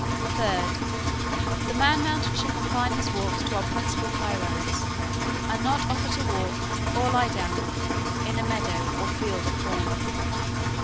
"3d, The said man mountain shall confine his walks to our principal high roads, and not offer to walk, or lie down, in a meadow or field of corn.